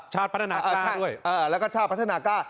ชาติพัฒนากล้าด้วยแล้วก็ชาติพัฒนากล้า